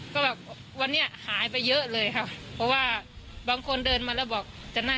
ก็แบบวันนี้หายไปเยอะเลยค่ะ